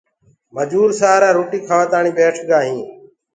مجور سآرآ روٽي کآوآ تآڻي ٻيٺ گآ هينٚ